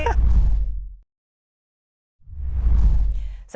saya sudah bersama juara all star